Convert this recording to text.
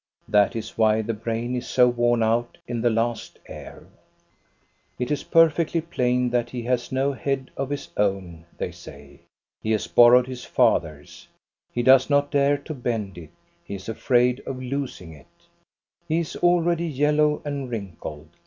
That is why the brain is so worn out in the last heir. It is perfectly plain that he has no head of his own," they say. He has borrowed his father's. He does not dare to bend it ; he is afraid of losing it, — he is already yellow and wrinkled.